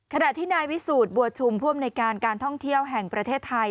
ขณะที่นายวิสูจน์บัวชุมผู้อำนวยการการท่องเที่ยวแห่งประเทศไทย